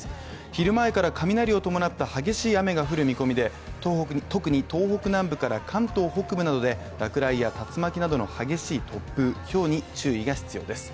昼前から雷を伴った激しい雨が降る見込みで、東北に特に東北南部から関東北部などで、落雷や竜巻などの激しい突風、ひょうに注意が必要です。